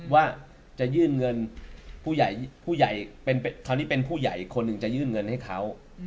ว่าจะยื่นเงินผู้ใหญ่คราวนี้เป็นผู้ใหญ่อีกคนหนึ่งจะยื่นเงินให้เขา